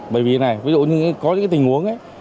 bởi vì này ví dụ như có những tình huống